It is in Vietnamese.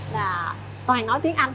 là toàn nói tiếng anh